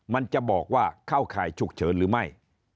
มันจะบอกว่าเข้าข่ายฉุกเฉินหรือไม่